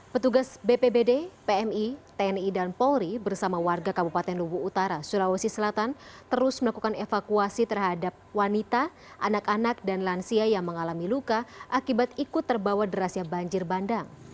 petugas bpbd pmi tni dan polri bersama warga kabupaten luwu utara sulawesi selatan terus melakukan evakuasi terhadap wanita anak anak dan lansia yang mengalami luka akibat ikut terbawa derasnya banjir bandang